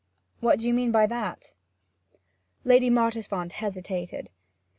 'What do you mean by that?' Lady Mottisfont hesitated.